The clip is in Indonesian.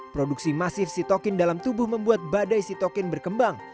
produksi masif sitokin dalam tubuh membuat badai sitokin berkembang